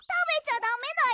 ダメだよ。